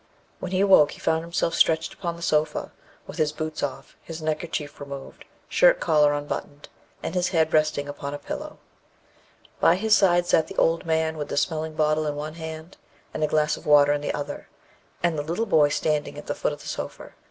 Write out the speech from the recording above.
When he awoke, he found himself stretched upon the sofa, with his boots off, his neckerchief removed, shirt collar unbuttoned, and his head resting upon a pillow. By his side sat the old man, with the smelling bottle in the one hand, and a glass of water in the other, and the little boy standing at the foot of the sofa.